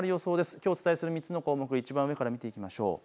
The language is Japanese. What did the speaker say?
きょうお伝えする３つの項目、いちばん上から見ていきましょう。